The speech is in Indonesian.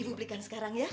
ibu belikan sekarang ya